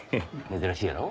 珍しいやろ？